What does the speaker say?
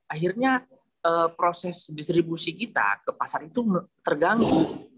akhirnya proses distribusi kita ke pasar itu terganggu